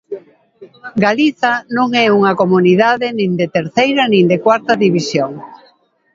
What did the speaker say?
Galiza non é unha comunidade nin de terceira nin de cuarta división.